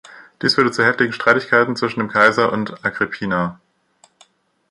Dies führte zu heftigen Streitigkeiten zwischen dem Kaiser und Agrippina.